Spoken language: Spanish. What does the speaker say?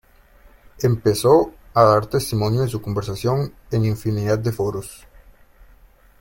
Empezó a dar testimonio de su conversión en infinidad de foros.